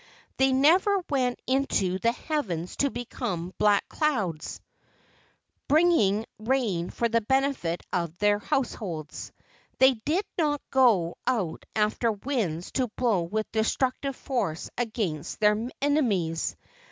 They never went into the heavens to become black clouds, bringing rain for the benefit of their households. They did not go out after winds to blow with destructive force against their enemies.